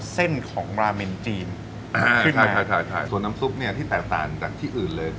เส้นของราเมนจีนอ่าใช่ใช่ส่วนน้ำซุปเนี่ยที่แตกต่างจากที่อื่นเลย